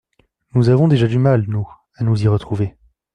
Nous avons déjà du mal, nous, à nous y retrouver.